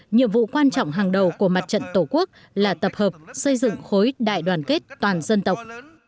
nhiệm vụ quan trọng hàng đầu của mặt trận tổ quốc là tập hợp xây dựng khối đại đoàn kết toàn dân tộc